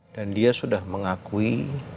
dan dia sudah mengakui